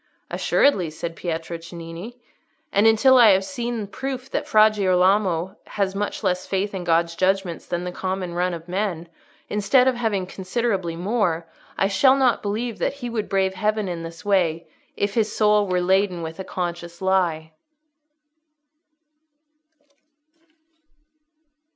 "Assuredly," said Pietro Cennini. "And until I have seen proof that Fra Girolamo has much less faith in God's judgments than the common run of men, instead of having considerably more, I shall not believe that he would brave Heaven in this way if his soul were laden with a conscious lie."